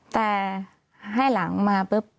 แต่ให้หลังมา